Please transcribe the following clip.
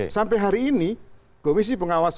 sampai hari ini komisi pengawas